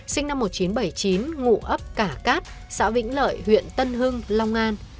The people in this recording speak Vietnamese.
sinh năm một nghìn chín trăm bảy mươi chín ngụ ấp cả cát xã vĩnh lợi huyện tân hưng long an